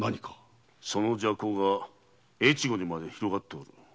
その麝香が越後にまで広がっている。